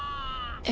え？